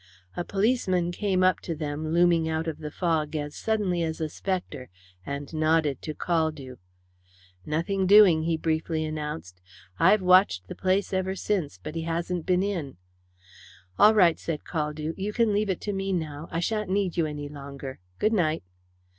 A policeman came up to them, looming out of the fog as suddenly as a spectre, and nodded to Caldew. "Nothing doing," he briefly announced. "I've watched the place ever since, but he hasn't been in." "All right," said Caldew. "You can leave it to me now. I shan't need you any longer. Good night!"